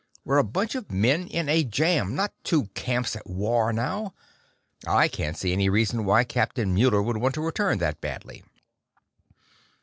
We're a bunch of men in a jam, not two camps at war now. I can't see any reason why Captain Muller would want to return that badly."